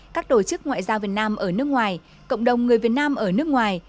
các tổ chức ngoại giao việt nam ở nước ngoài cộng đồng người việt nam ở nước ngoài